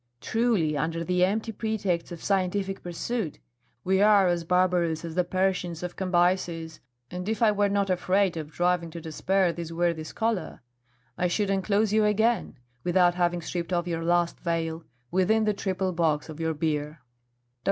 Truly, under the empty pretext of scientific pursuit, we are as barbarous as the Persians of Cambyses, and if I were not afraid of driving to despair this worthy scholar, I should enclose you again, without having stripped off your last veil, within the triple box of your bier." Dr.